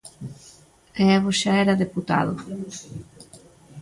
E Evo xa era deputado.